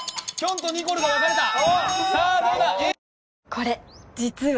これ実は。